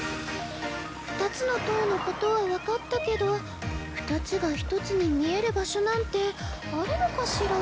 ２つの塔のことは分かったけど２つが１つに見える場所なんてあるのかしら？